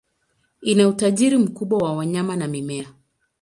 Ina utajiri mkubwa wa wanyama na mimea.